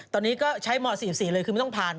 ตอนนี้ก็ใช้หมอสี่สี่เลยคือไม่ต้องผ่าน